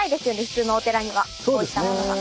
普通のお寺にはこういったものが。